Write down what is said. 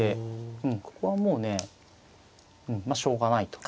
うんここはもうねうんまあしょうがないと。